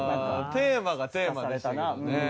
テーマがテーマでしたけどね。